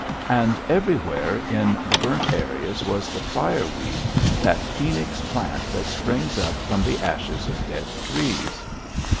And everywhere in the burnt areas was the fireweed, that phoenix plant that springs up from the ashes of dead trees.